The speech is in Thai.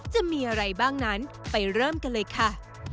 จะมีอะไรบ้างนั้นไปเริ่มกันเลยค่ะ